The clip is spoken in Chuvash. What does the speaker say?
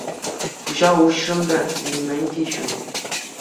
Куҫа уҫрӑм та — нимӗн те ҫук.